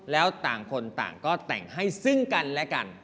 แล้วต่างคนต่างก็แต่งให้ซึ่งกันและกัน